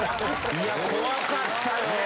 いや怖かったよ！